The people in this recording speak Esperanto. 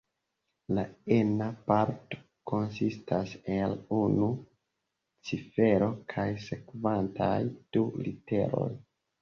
La ena parto konsistas el unu cifero kaj sekvantaj du literoj.